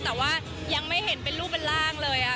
แต่ว่ายังไม่เห็นเป็นรูปเป็นร่างเลย